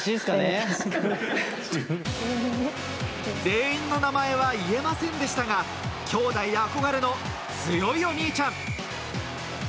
全員の名前は言えませんでしたがきょうだい憧れの強いお兄ちゃん。